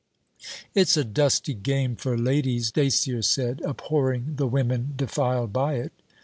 'It's a dusty game for ladies,' Dacier said, abhorring the women defiled by it.